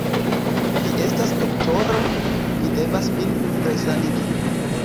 Vi estas doktoro, vi devas min resanigi.